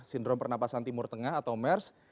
sindrom pernapasan timur tengah atau mers